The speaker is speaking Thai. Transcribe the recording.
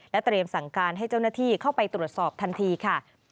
เตรียมสั่งการให้เจ้าหน้าที่เข้าไปตรวจสอบทันทีค่ะ